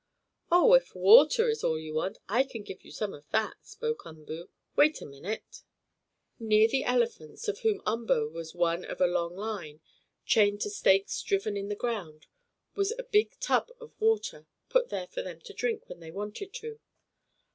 "Oh, if water is all you want, I can give you some of that," spoke Umboo. "Wait a minute!" Near the elephants, of whom Umboo was one on a long line, chained to stakes driven in the ground, was a big tub of water, put there for them to drink when they wanted to.